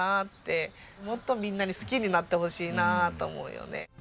もっとみんなに好きになってほしいなと思うよね。